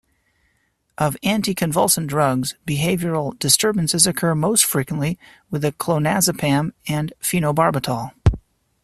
Of anticonvulsant drugs, behavioural disturbances occur most frequently with clonazepam and phenobarbital.